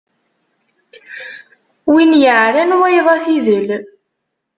Win yeɛran, wayeḍ ad t-idel.